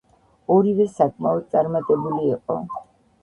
ორივე საკმაოდ წარმატებული იყო.